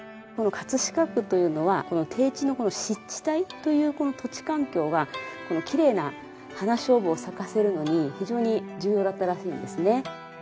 飾区というのは低地の湿地帯というこの土地環境がきれいな花菖蒲を咲かせるのに非常に重要だったらしいんですね。